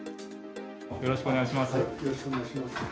よろしくお願いします。